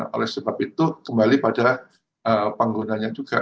oleh sebab itu kembali pada penggunanya juga